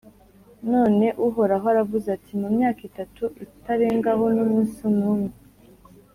None Uhoraho aravuze ati «Mu myaka itatu, itarengaho n’umunsi n’umwe,